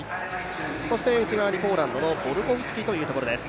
そして内側にポーランドのボルコフスキというところです。